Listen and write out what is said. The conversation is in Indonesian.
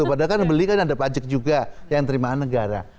padahal kan beli kan ada pajak juga yang terima negara